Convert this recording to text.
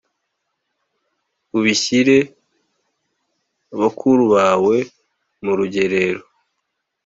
ubishyire bakuru bawe mu rugerero